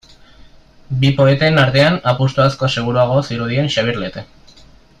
Bi poeten artean, apustu askoz seguruagoa zirudien Xabier Lete.